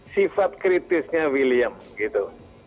sifat kritisnya william gitu